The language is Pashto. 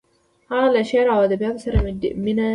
هغه له شعر او ادبیاتو سره ډېره مینه لرله